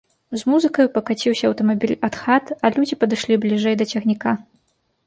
З музыкаю пакаціўся аўтамабіль ад хат, а людзі падышлі бліжэй да цягніка.